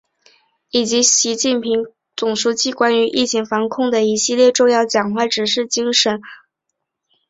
以及习近平总书记关于疫情防控的一系列重要讲话、指示精神和中共中央办公厅近日印发的《党委（党组）落实全面从严治党主体责任规定》